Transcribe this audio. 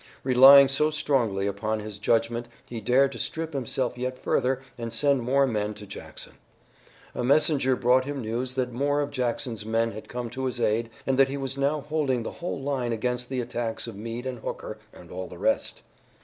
Relying so strongly upon his judgment he dared to strip himself yet further and send more men to Jackson. A messenger brought him news that more of Jackson's men had come to his aid and that he was now holding the whole line against the attacks of Meade and Hooker and all the rest.